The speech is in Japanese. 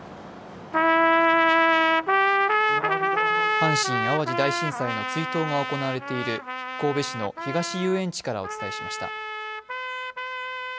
阪神・淡路大震災の追悼が行われている神戸市の東遊園地からお伝えしました。